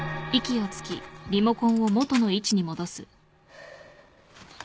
ハァ。